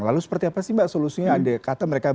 lalu seperti apa sih mbak solusinya ada kata mereka